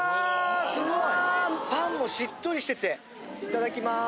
パンもしっとりしてていただきます。